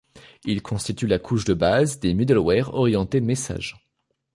Il constitue la couche de base des Middleware Orientés Messages.